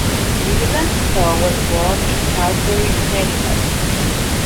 Leland Stowe was born in Southbury, Connecticut.